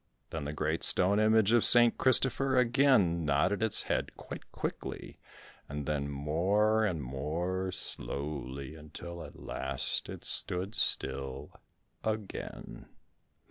Then the great stone image of St. Christopher again nodded its head quite quickly and then more and more slowly, until at last it stood still again.